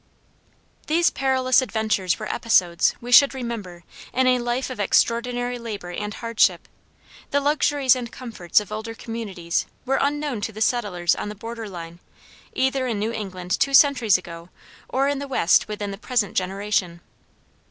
These perilous adventures were episodes, we should remember, in a life of extraordinary labor and hardship. The luxuries and comforts of older communities were unknown to the settlers on the border line, either in New England two centuries ago or in the West within the present generation.